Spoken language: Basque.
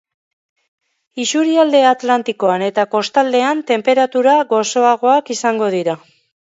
Isurialde atlantikoan eta kostaldean tenperatura gozoagoak izango dira.